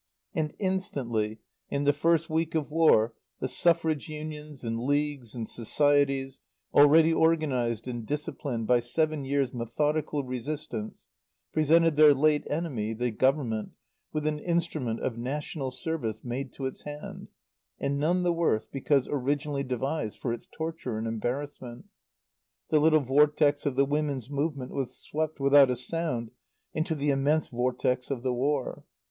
And instantly, in the first week of war, the Suffrage Unions and Leagues and Societies (already organized and disciplined by seven years' methodical resistance) presented their late enemy, the Government, with an instrument of national service made to its hand and none the worse because originally devised for its torture and embarassment. The little vortex of the Woman's Movement was swept without a sound into the immense vortex of the War.